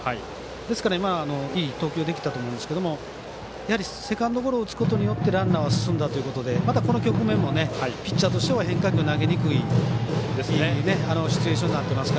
ですから、いい投球できたと思うんですけどやはり、セカンドゴロを打つことによってランナーが進んだということでまたこの局面もピッチャーとしては変化球投げにくいシチュエーションです。